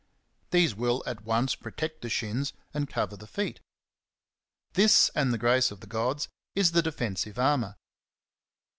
These will at once protect the shins and cover the feet. This and the grace of the gods is the defen sive armour.